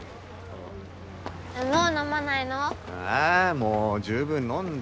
もう十分飲んだよ。